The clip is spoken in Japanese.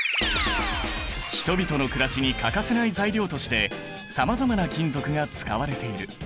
人々のくらしに欠かせない材料としてさまざまな金属が使われている。